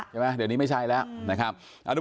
เดี๋ยวนี้ไม่ใช่แล้วนะครับ